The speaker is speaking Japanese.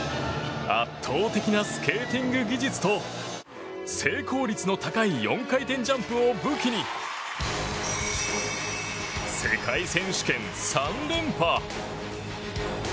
圧倒的なスケーティング技術と成功率の高い４回転ジャンプを武器に世界選手権３連覇。